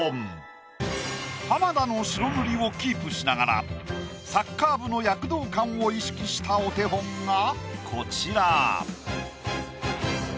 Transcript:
浜田の白塗りをキープしながらサッカー部の躍動感を意識したお手本がこちら。